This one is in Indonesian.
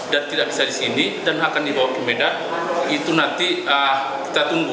dan tidak bisa di sini dan akan dibawa ke medan itu nanti kita tunggu